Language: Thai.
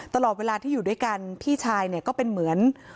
ตลอดเวลาที่อยู่ด้วยกันพี่ชายเนี่ยก็เป็นเหมือน